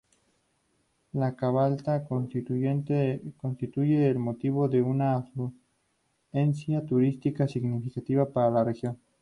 La cabalgata constituye el motivo de una afluencia turística significativa para la región.